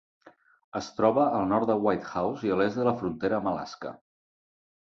Es troba al nord de Whitehorse i a l'est de la frontera amb Alaska.